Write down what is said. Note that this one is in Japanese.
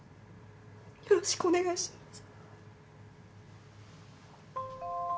よろしくお願いします。